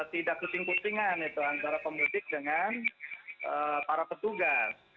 tidak kuting kutingan itu antara pemudik dengan para petugas